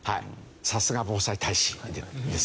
さすが防災大使ですね。